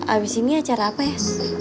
abis ini acara apa ya